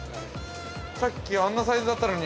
さっき、あんなサイズだったのに。